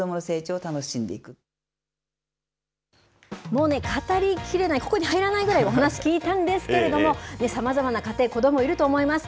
もうね、語りきれない、ここに入らないぐらい、お話聞いたんですけれども、さまざまな家庭、子どもいると思います。